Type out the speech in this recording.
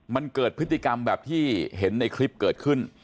มันเกิดพฤติกรรมแบบที่เห็นในคลิปเกิดขึ้น